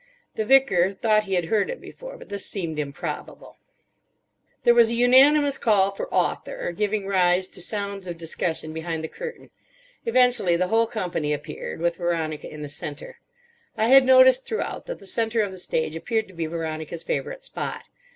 The Vicar thought he had heard it before, but this seemed improbable. There was a unanimous call for Author, giving rise to sounds of discussion behind the curtain. Eventually the whole company appeared, with Veronica in the centre. I had noticed throughout that the centre of the stage appeared to be Veronica's favourite spot.